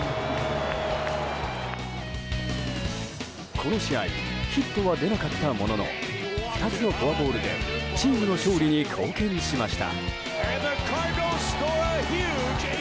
この試合ヒットは出なかったものの２つのフォアボールでチームの勝利に貢献しました。